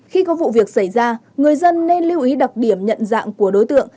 khi có vụ việc xảy ra người dân nên lưu ý đặc điểm nhận dạng của đối tượng